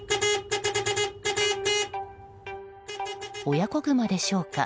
親子グマでしょうか。